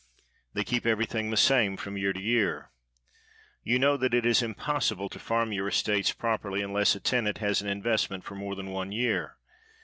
They keep everything the same from year to year. You know that it is impossible to farm your estates properly unless a tenant has an investment for more than one year.